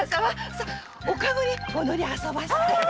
さお駕籠にお乗りあそばして。